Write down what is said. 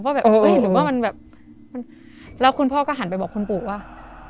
แบบเอ้ยหรือว่ามันแบบมันแล้วคุณพ่อก็หันไปบอกคุณปู่ว่า